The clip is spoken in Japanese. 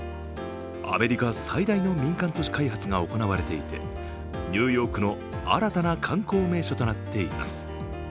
アメリカ最大の民間都市開発が行われていてニューヨークの新たな観光名所となっています